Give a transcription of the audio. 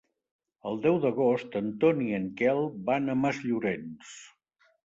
El deu d'agost en Ton i en Quel van a Masllorenç.